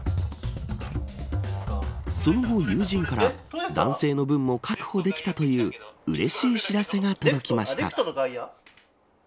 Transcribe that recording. その後、友人から男性の分も確保できたといううれしい知らせが届きました。